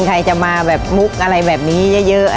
ใครจะมาแบบมุกอะไรแบบนี้เยอะ